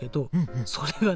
それがね